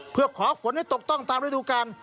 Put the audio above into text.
เพื่อขอฝนให้ตกต้องตามฤดูกาล